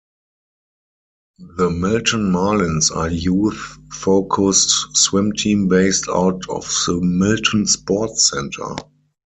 The Milton Marlins are youth-focussed swim team based out of the Milton Sports Centre.